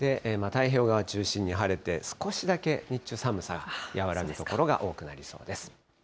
太平洋側中心に晴れて、少しだけ日中、寒さが和らぐ所が多くなりそうです。